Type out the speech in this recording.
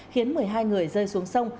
khiến một mươi hai người rơi xuống sông